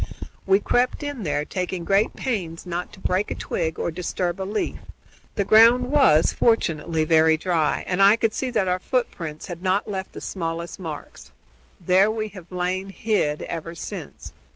We crept in there, taking great pains not to break a twig or disturb a leaf. The ground was, fortunately, very dry, and I could see that our footprints had not left the smallest marks. There we have lain hid ever since.